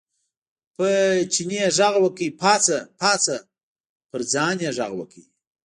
په چیني یې غږ وکړ، پاڅه پاڅه، پر ځان یې غږ وکړ.